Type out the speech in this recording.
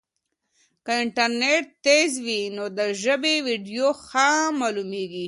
که انټرنیټ تېز وي نو د ژبې ویډیو ښه معلومېږي.